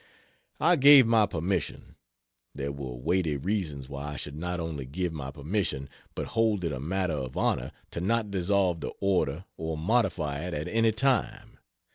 I gave my permission. There were weighty reasons why I should not only give my permission, but hold it a matter of honor to not dissolve the order or modify it at any time.